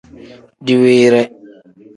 Diwiire.